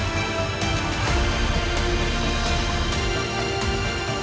ia pun mendalami geopolitik kartografi serta geografi di jerman dan belanda